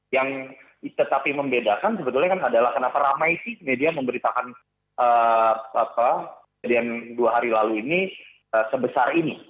yang tetapi membedakan sebetulnya kan adalah kenapa ramai sih media memberitakan kejadian dua hari lalu ini sebesar ini